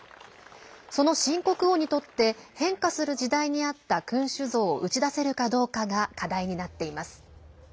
その新国王にとって変化する時代にあった君主像を打ち出せるかどうかが課題になっています。